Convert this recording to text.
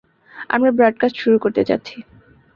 আমরা ব্রডকাস্ট শুরু করতে যাচ্ছি।